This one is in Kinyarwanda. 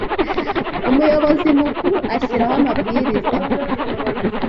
umuyobozi mukuru ashyiraho amabwiriza